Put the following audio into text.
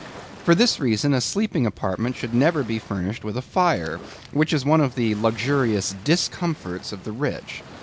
For this reason a sleeping apartment should never be furnished with a fire, which is one of the luxurious discomforts of the rich.